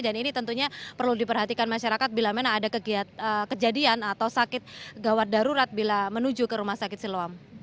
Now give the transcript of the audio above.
dan ini tentunya perlu diperhatikan masyarakat bila memang ada kejadian atau sakit gawat darurat bila menuju ke rumah sakit siluam